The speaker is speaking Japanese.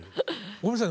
ごめんなさい。